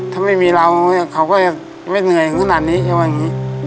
ถ้าไม่มีเราเขาก็ไม่เหนื่อยขนาดนี้อย่างงี้